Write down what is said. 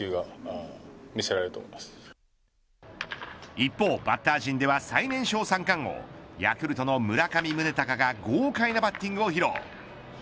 一方、バッター陣では最年少三冠王ヤクルトの村上宗隆が豪快なバッティングを披露。